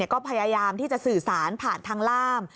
ก็พยายามที่จะสื่อสารผ่านทางล่าม